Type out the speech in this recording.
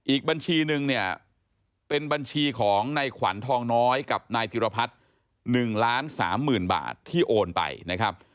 อีกบัญชีนึงเนี่ยเป็นบัญชีของนายขวัญทองน้อยกับนายธิรพัฒน์๑ล้าน๓๐๐๐บาทที่โอนไปนะครับ